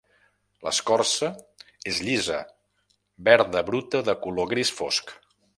L'escorça és llisa, verda bruta de color gris fosc.